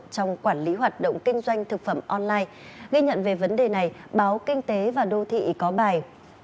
trong quản lý hoạt động kinh doanh thực phẩm online ghi nhận về vấn đề này báo kinh tế và đô thị có bài